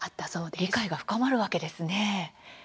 理解が深まるわけですね。